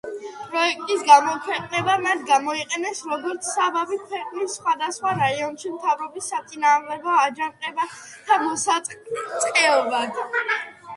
პროექტის გამოქვეყნება მათ გამოიყენეს როგორც საბაბი ქვეყნის სხვადასხვა რაიონში მთავრობის საწინააღმდეგო აჯანყებათა მოსაწყობად.